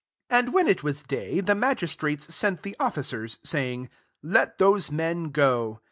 35 And when it was day, the nagistrates sent the officers, aying, " Let those men go."